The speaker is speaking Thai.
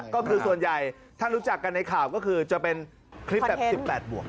ก็คือส่วนใหญ่ถ้ารู้จักกันในข่าวก็คือจะเป็นคลิปแบบ๑๘บวก